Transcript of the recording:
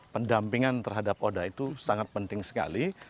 pendampingan terhadap oda itu sangat penting sekali